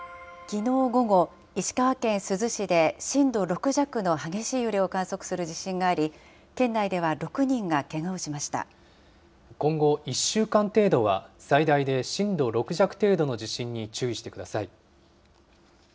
きのう午後、石川県珠洲市で震度６弱の激しい揺れを観測する地震があり、県内今後１週間程度は、最大で震度６弱程度の地震に注意してください。